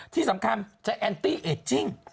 ที่สำคัญจะแอนตี้เอจจิ้ง